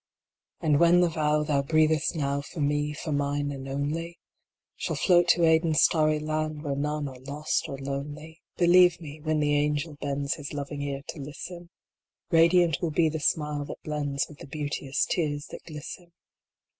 35 And when the vow thou breathest now, For me, for mine and only, Shall float to Aiden s starry land, Where none are lost or lonely, Believe me, when the angel bends His loving ear to listen, Radiant will be the smile that blends With the beauteous tears that glisten.